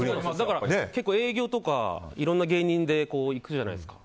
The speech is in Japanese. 結構、営業とかいろんな芸人で行くじゃないですか。